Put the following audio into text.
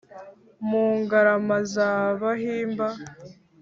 Mu Ngarama za Bahimba;